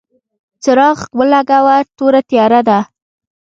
څراغ ولګوه ، توره تیاره ده !